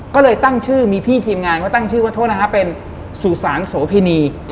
ก็เลยตั้งชื่อมีพี่ทีมงานเขาตั้งชื่อว่าโทษนะฮะเป็นสุสานโสพินี